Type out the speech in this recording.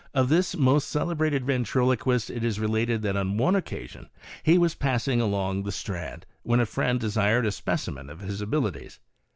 Of tills most celebrated ventriloquist it is related that on one occasion he was passing along the Strand, when a friend desired a specimen of his abilities.